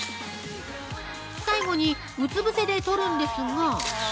最後にうつ伏せで撮るんですが。